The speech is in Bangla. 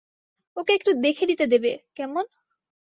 ওকে একটু দেখে নিতে দেবে, কেমন?